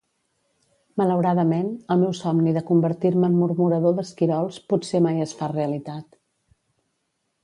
Malauradament, el meu somni de convertir-me en murmurador d'esquirols potser mai es fa realitat.